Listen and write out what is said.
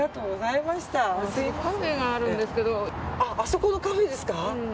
あそこのカフェですか？